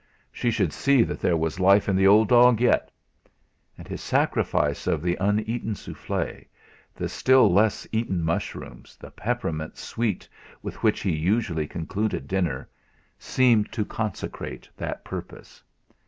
She should see that there was life in the old dog yet! And his sacrifice of the uneaten souffle, the still less eaten mushrooms, the peppermint sweet with which he usually concluded dinner, seemed to consecrate that purpose.